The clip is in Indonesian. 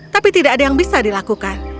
tapi tidak ada yang bisa dilakukan